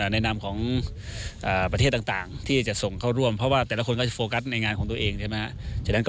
ไปไหนนำของประเทศตำนานที่จะส่งเขาร่วมเพราะว่าแต่และใครด้วยโฟกัสในงานของตัวเองเลยนะชั้นก็